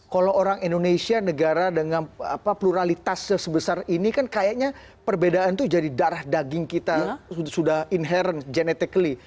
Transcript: kalau orang indonesia negara dengan pluralitas sebesar ini kan kayaknya perbedaan itu jadi darah daging kita sudah inherent genetically